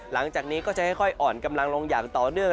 หลังจากนี้ก็จะค่อยอ่อนกำลังลงอย่างต่อเนื่อง